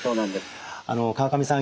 川上さん